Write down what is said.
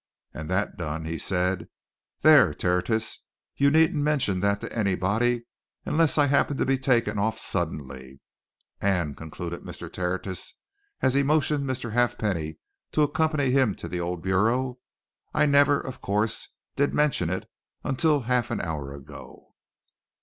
And that done, he said: 'There, Tertius, you needn't mention that to anybody, unless I happen to be taken off suddenly.' And," concluded Mr. Tertius, as he motioned Mr. Halfpenny to accompany him to the old bureau, "I never, of course, did mention it until half an hour ago."